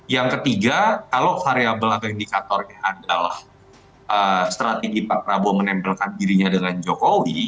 yang ketiga kalau variable atau indikatornya adalah strategi pak prabowo menempelkan dirinya dengan jokowi